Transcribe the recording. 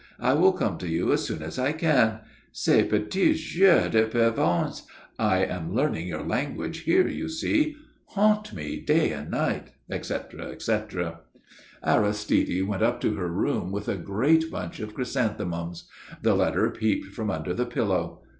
I will come to you as soon as I can. Ces petits yeux de pervenche I am learning your language here, you see haunt me day and night ..." etcetera, etcetera. Aristide went up to her room with a great bunch of chrysanthemums. The letter peeped from under the pillow.